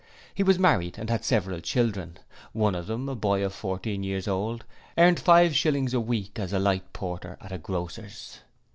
He was married and had several children. One of them, a boy of fourteen years old, earned five shillings a week as a light porter at a Grocer's.